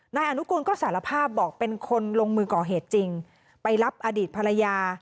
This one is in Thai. นายอนุกูลก็สารภาพบอกเป็นคนลงมือก่อเหตุจริงไปรับอดีตภรรยา